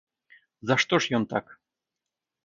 За што ж ён так?